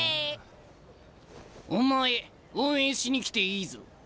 お前応援しに来ていいぞ。